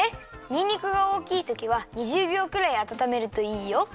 にんにくがおおきいときは２０びょうくらいあたためるといいよ。